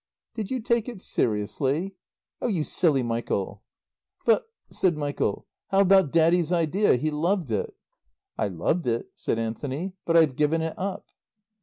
"Did you take it seriously? Oh, you silly Michael!" "But," said Michael, "how about Daddy's idea? He loved it." "I loved it," said Anthony, "but I've given it up."